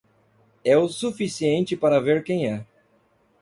É o suficiente para ver quem é.